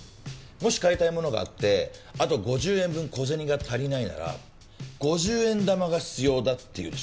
もし買いたいものがあってあと５０円分小銭が足りないなら「５０円玉が必要だ」って言うでしょ？